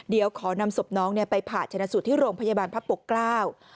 เดี๋ยวขอนำศพน้องไปผ่าชนะสูตรที่โรงพยาบาลพระปกเกล้า